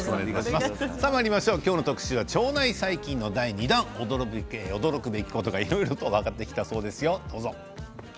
今日の特集は腸内細菌の第２弾驚くべきことが、いろいろと分かってきたそうですよ。